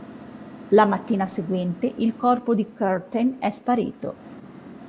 La mattina seguente il corpo di Curtain è sparito.